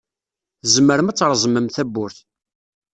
Tzemrem ad treẓmem tawwurt.